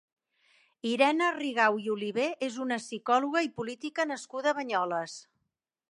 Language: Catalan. Irene Rigau i Oliver és una psicòloga i política nascuda a Banyoles.